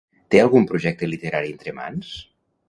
Té algun projecte literari entre mans?